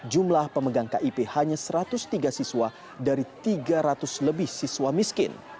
jumlah pemegang kip hanya satu ratus tiga siswa dari tiga ratus lebih siswa miskin